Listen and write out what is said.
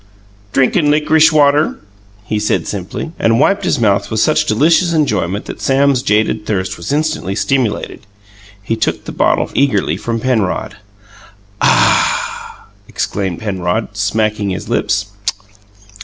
"Drinkin' lickrish water," he said simply, and wiped his mouth with such delicious enjoyment that Sam's jaded thirst was instantly stimulated. He took the bottle eagerly from Penrod. "A a h!" exclaimed Penrod, smacking his lips.